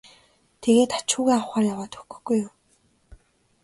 тэгээд ач хүүгээ авахаар яваад өгөхгүй юу.